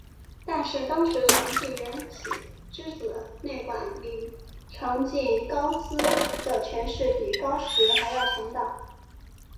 但是当时长崎圆喜之子内管领长崎高资的权势比高时还要强大。